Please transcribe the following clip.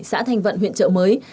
xã thanh vận huyện chợ mới